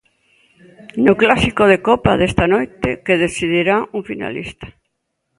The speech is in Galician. No clásico de Copa desta noite que decidirá un finalista.